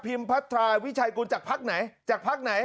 พิมพ์พัฒนาวิชัยกรุณจากพักไหนจากพักไหน